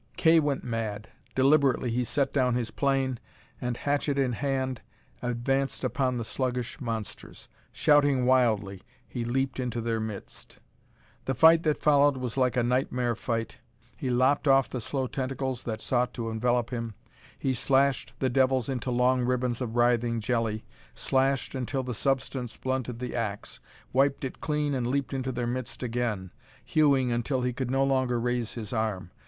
Kay went mad. Deliberately he set down his plane, and, hatchet in hand, advanced upon the sluggish monsters. Shouting wildly, he leaped into their midst. The fight that followed was like a nightmare fight. He lopped off the slow tentacles that sought to envelop him, he slashed the devils into long ribbons of writhing jelly, slashed until the substance blunted the ax; wiped it clean and leaped into their midst again, hewing until he could no longer raise his arm.